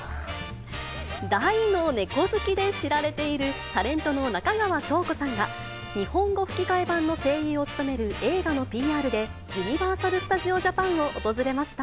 大の猫好きで知られている、タレントの中川翔子さんが、日本語吹き替え版の声優を務める映画のＰＲで、ユニバーサル・スタジオジャパン・を訪れました。